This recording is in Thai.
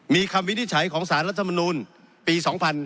มีคำวินิจฉัยของสารรัฐมนูลปี๒๕๕๙